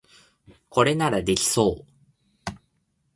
これならできそう